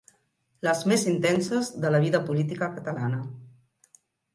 Les més intenses de la vida política catalana.